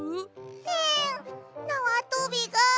エンなわとびが。